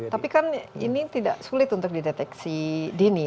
tapi kan ini tidak sulit untuk dideteksi dini